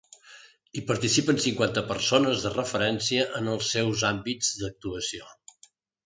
Hi participen cinquanta persones de referència en els seus àmbits d’actuació.